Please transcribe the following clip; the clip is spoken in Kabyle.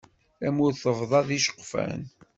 Tamurt tebḍa d iceqfan.